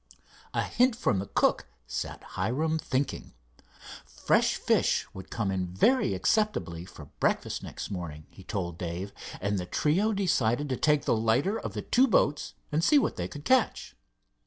A hint from the cook sat Hiram thinking. Fresh fish would come in very acceptably for breakfast next morning, he told Dave, and the trio decided to take the lighter of the two boats and see what they could catch.